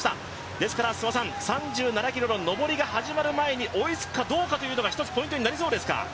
ですから、３７ｋｍの上りが始まる前に追いつくかどうかが一つポイントになりそうですか。